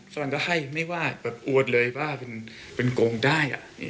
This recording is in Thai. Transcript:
ส่วนก็ให้ไม่ว่าแบบอวดเลยบ้าเป็นโกงได้